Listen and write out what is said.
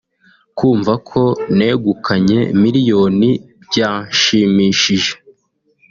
kumva ko negukanye miliyoni byanshimishije